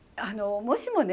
もしもね